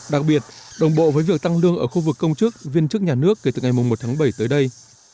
đặc biệt đồng bộ với việc tăng lương ở khu vực công chức viên chức nhà nước kể từ ngày một tháng bảy tới đây